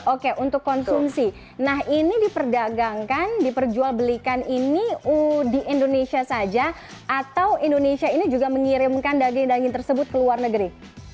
oke untuk konsumsi nah ini diperdagangkan diperjualbelikan ini di indonesia saja atau indonesia ini juga mengirimkan daging daging tersebut ke luar negeri